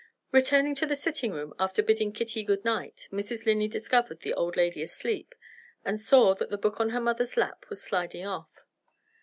Returning to the sitting room after bidding Kitty goodnight, Mrs. Linley discovered the old lady asleep, and saw that the book on her mother's lap was sliding off.